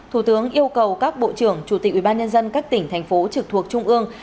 thủ tướng yêu cầu các bộ trưởng chủ tịch ubnd các tỉnh thành phố trực thuộc trung ương